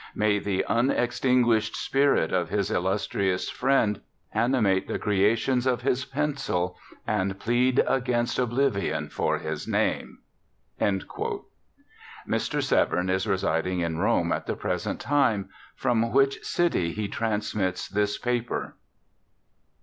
May the unextinguished spirit of his illustrious friend animate the creations of his pencil, and plead against oblivion for his name!" Mr. Severn is residing in Rome at the present time, from which city he transmits this paper.